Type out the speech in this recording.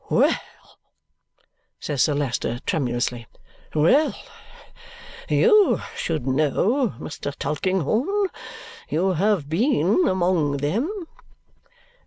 "Well!" says Sir Leicester tremulously. "Well! You should know, Mr. Tulkinghorn. You have been among them."